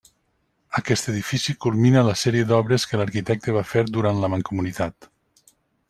Aquest edifici culmina la sèrie d'obres que l'arquitecte va fer durant la Mancomunitat.